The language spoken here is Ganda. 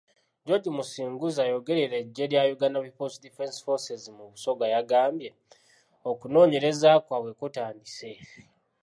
George Musinguzi, ayogerera eggye lya Uganda People's Defence Force mu Busoga yagambye, okunoonyereza kwabwe kutandise.